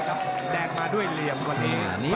เพชรกลางหวานนะครับน้ำเงินนี่